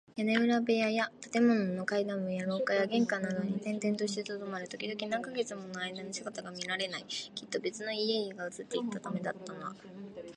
屋根裏部屋や建物の階段部や廊下や玄関などに転々としてとどまる。ときどき、何カ月ものあいだ姿が見られない。きっと別な家々へ移っていったためなのだ。